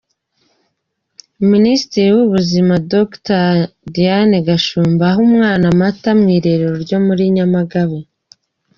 Minisitiri w’ ubuzima Dr Diane Gashumba aha umwana amata mu irerero ryo muri Nyamagabe.